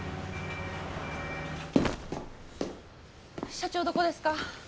社長どこですか？